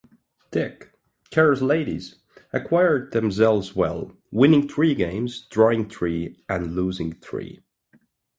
Dick, Kerr's Ladies acquitted themselves well, winning three games, drawing three, and losing three.